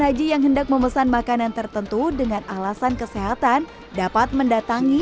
haji yang hendak memesan makanan tertentu dengan alasan kesehatan dapat mendatangi